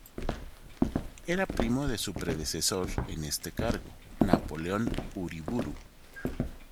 Era primo de su predecesor en este cargo, Napoleón Uriburu.